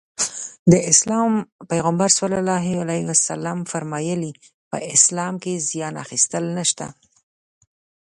د اسلام پيغمبر ص وفرمايل په اسلام کې زيان اخيستل نشته.